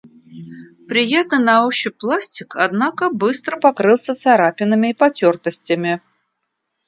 Приятный на ощупь пластик, однако, быстро покрылся царапинами и потертостями.